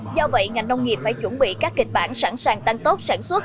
do vậy ngành nông nghiệp phải chuẩn bị các kịch bản sẵn sàng tăng tốt sản xuất